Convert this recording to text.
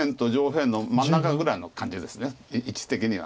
位置的には。